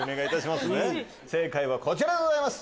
正解はこちらでございます。